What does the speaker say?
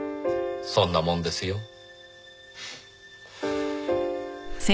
そんなもんですよ。